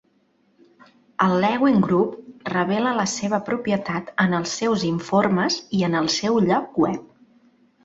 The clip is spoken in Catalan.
El Lewin Group revela la seva propietat en els seus informes i en el seu lloc web.